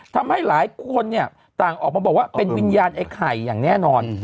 ทำให้หลายคนเนี่ยต่างออกมาบอกว่าเป็นวิญญาณไอ้ไข่อย่างแน่นอน